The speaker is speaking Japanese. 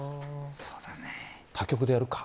他局でやるか。